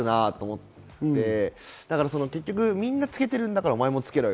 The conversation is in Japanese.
みんなつけてるんだからお前もつけろよ。